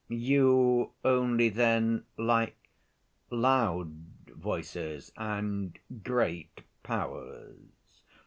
"You only, then, like loud voices, and great powers?"